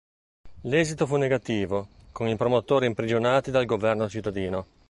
L'esito fu negativo, con i promotori imprigionati dal governo cittadino.